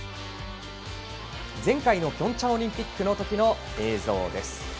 前回ピョンチャンオリンピックの映像です。